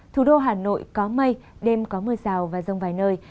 thủ đô hà nội có mây đêm có mưa rào và rông vài nơi